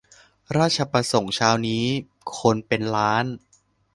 ราชประสงค์เช้านี้คนเป็นล้าน